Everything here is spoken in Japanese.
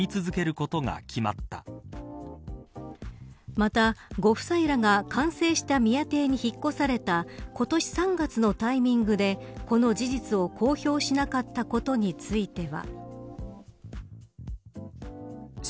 また、ご夫妻らが完成した宮邸に引っ越された今年３月のタイミングでこの事実を公表しなかったことについては。